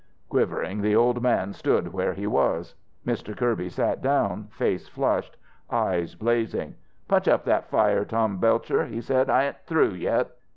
Quivering the old man stood where he was. Mr. Kirby sat down, face flushed, eyes blazing. "Punch up that fire, Tom Belcher," he said. "I ain't through yet."